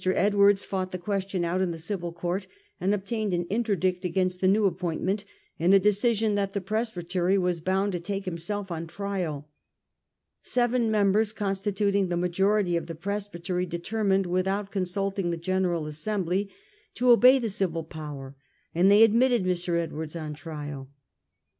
Edwards fought the question out in the civil court and ob tained an interdict against the new appointment, and a decision that the presbytery were bound to take himself on trial. Seven members constituting the majority of the presbytery determined, without con sulting the General Assembly, to obey the civil power, and they admitted Mr. Edwards on trial.